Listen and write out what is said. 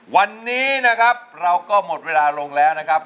วันนี้นะครับเราก็หมดเวลาลงแล้วนะครับ